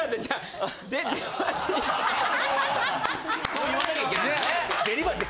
そう言わなきゃいけないんですね。